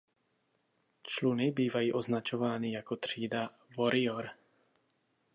Čluny bývají označovány jako třída "Warrior".